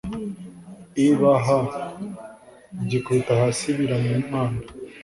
ibh byikubita hasi biramya imana